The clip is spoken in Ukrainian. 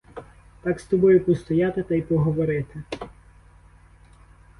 Так з тобою постояти та й поговорити.